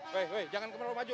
woy woy jangan kemana mana maju